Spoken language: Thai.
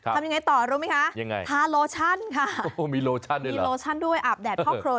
ทำอย่างไรต่อรู้ไหมคะทาโลชันค่ะมีโลชันด้วยอาบแดดพ่อโครน